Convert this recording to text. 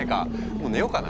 もう寝ようかな。